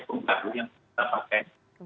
jadi saya serukan yang diperlukan mbak anu